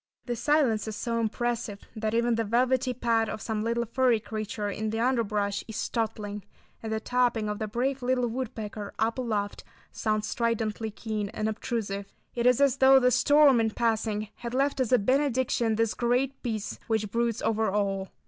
This silence is so impressive that even the velvety pad of some little furry creature in the underbrush is startling, and the tapping of the brave little woodpecker up aloft sounds stridently keen and obtrusive. It is as though the storm in passing had left as a benediction, this great peace which broods over all.